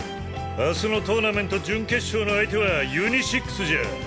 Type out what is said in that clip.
明日のトーナメント準決勝の相手はユニシックスじゃ。